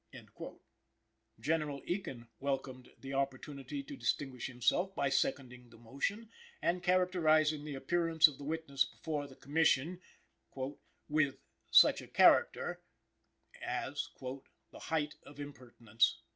General Ekin welcomed the opportunity to distinguish himself by seconding the motion and characterizing the appearance of the witness before the Commission, "with such a character" as "the height of impertinence!"